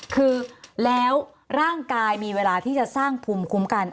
คือแล้วร่างกายมีเวลาที่จะสร้างภูมิคุ้มกัน